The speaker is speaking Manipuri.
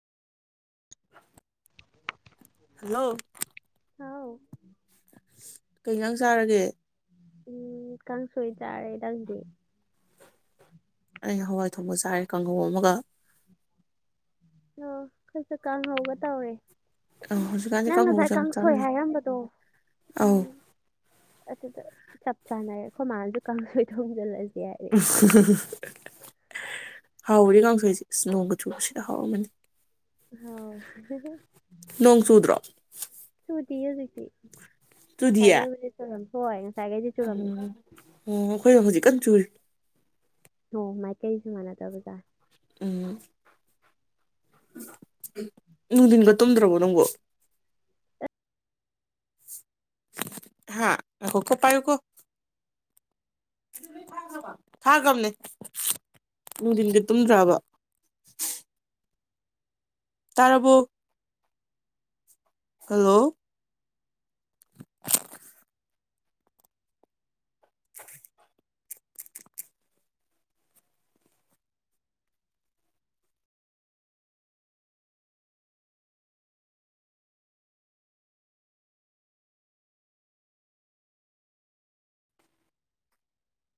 ꯍꯂꯣ ꯍꯥꯎ ꯀꯩꯩꯅꯪ ꯆꯥꯔꯒꯦ ꯎꯝ ꯀꯥꯡꯪꯁꯣꯏ ꯆꯔ ꯂꯥꯛꯗꯤ ꯑꯩ ꯍꯋꯥꯏ ꯊꯣꯡꯄ ꯆꯥꯏꯔꯦ ꯀꯥꯡꯒꯧ ꯑꯃꯒ ꯑꯣ ꯈꯁ ꯀꯥꯝ ꯍꯕ ꯇꯋꯦ ꯑꯧ ꯍꯧꯖꯤꯛꯀꯥꯟꯁꯦ ꯅꯪ ꯀꯥꯡꯍꯧꯁꯦ ꯉꯁꯥꯏ ꯌꯥꯝ ꯀꯥꯡꯁꯣꯏ ꯆꯥꯅꯩ ꯍꯥꯏꯔꯝꯕꯗꯣ ꯑꯧ ꯎꯝ ꯑꯗꯨꯗ ꯆꯞ ꯆꯥꯅꯏꯌꯦ ꯑꯩꯈꯣꯏ ꯃꯥꯜꯁꯨ ꯀꯥꯡꯁꯨꯣꯏ ꯊꯣꯡꯁꯤꯜꯂꯁꯤꯦ ꯎ ꯍꯥꯎꯔꯤ ꯀꯥꯡꯁꯣꯏꯁꯦ ꯏꯁ꯭ꯅꯣꯒ ꯆꯨꯕꯁꯤꯗ ꯍꯥꯎꯔꯝꯒꯅꯤ ꯅꯣꯡ ꯆꯨꯗ꯭ꯔꯣ ꯍꯥꯎ ꯗꯤꯤ ꯑꯗꯨꯗꯤꯦ ꯁꯦ ꯆꯨꯗꯤꯌꯦ ꯃꯤ ꯇ ꯅ ꯍꯣꯏ ꯉꯁꯥꯏꯈꯩꯗꯤ ꯆꯨꯔꯝꯃꯦ ꯎꯝ ꯑꯣꯈꯣꯏ ꯍꯧꯖꯤ ꯀ ꯆꯨꯜ ꯍ ꯃꯥꯏ ꯀꯩꯁꯨ ꯃꯅ ꯇꯕꯖꯥ ꯎꯝ ꯅꯨꯡꯊꯤꯟꯒ ꯇꯨꯝꯗ꯭ꯔꯕꯣ ꯅꯪꯕꯣ ꯍꯥꯥ ꯍꯣꯀꯣ ꯄꯥꯏꯌꯨ ꯀꯣ ꯊꯥꯈ꯭ꯔꯕꯅꯦ ꯅꯨꯡꯊꯤꯟꯗꯤ ꯇꯨꯝꯗ꯭ꯔꯕ ꯇꯔꯕꯨ ꯍꯜꯂꯣ [unintelligible] [unintelligible]